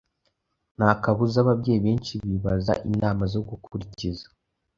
nta kabuza ababyeyi benshi bibaza inama zo gukurikiza